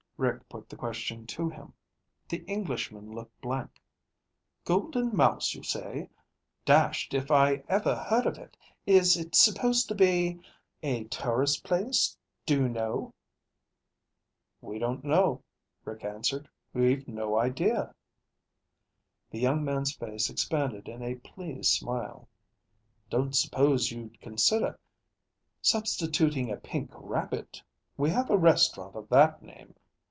Rick put the question to him. The Englishman looked blank. "Golden Mouse, you say? Dashed if I ever heard of it. Is it supposed to be a tourist place do you know?" "We don't know," Rick answered. "We've no idea." The young man's face expanded in a pleased smile. "Don't suppose you'd consider substituting a pink rabbit? We have a restaurant of that name.